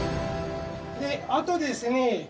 あとですね